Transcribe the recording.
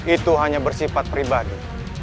itu hanya bersifat pribadi